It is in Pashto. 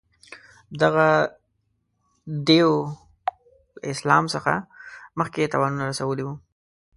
دغه دېو له اسلام څخه مخکې تاوانونه رسولي وه.